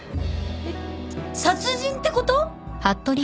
えっ殺人ってこと！？